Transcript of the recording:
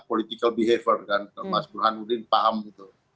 political behavior kan mas burhanuddin paham gitu